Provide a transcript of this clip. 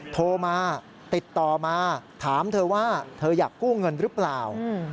โทรมาติดต่อมาถามเธอว่าเธออยากกู้เงินหรือเปล่า